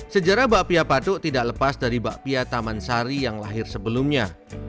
sejarah bakpia patuk tidak lepas dari bakpia taman sari yang lahir sebelumnya